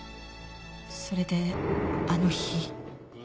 それであの日。